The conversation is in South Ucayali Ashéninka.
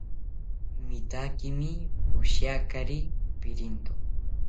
Mitaakimi poshiakari pirinto